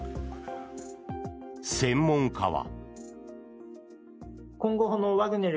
専門家は。